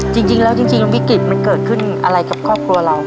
จริงแล้วจริงแล้ววิกฤตมันเกิดขึ้นอะไรกับครอบครัวเรา